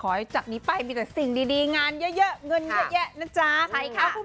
จากนี้ไปมีแต่สิ่งดีงานเยอะเงินเยอะแยะนะจ๊ะ